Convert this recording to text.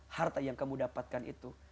harta yang kamu dapatkan itu